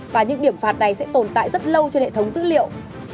và những điểm phạt này sẽ tồn tại rất lâu trên hệ thống dữ liệu